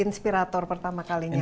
inspirator pertama kalinya lah